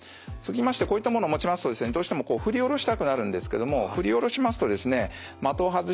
こういったものを持ちますとどうしてもこう振り下ろしたくなるんですけども振り下ろしますとですね的を外してしまったり